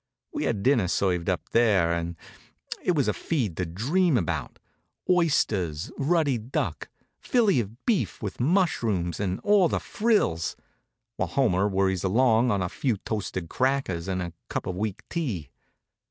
We had dinner served up there, and it was a feed to dream about oysters, ruddy duck, filly of beef with mushrooms, and all the frills while Homer worries along on a few toasted crackers and a cup of weak tea.